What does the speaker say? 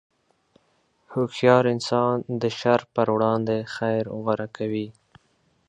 هوښیار انسان د شر پر وړاندې خیر غوره کوي.